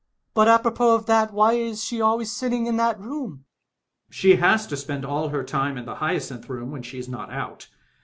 — ^But apropos of that, why is she always sitting in that room ? Colonel. She has to spend all her time in the Hyacinth Room when she is not out.